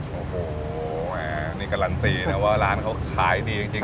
โอ้โหนี่การันตีนะว่าร้านเขาขายดีจริง